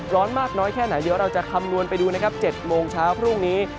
ร้อนมากน้อยแค่ไหนเดี๋ยวเราจะคำนวณไปดูนะครับ๗โมงเช้าพรุ่งนี้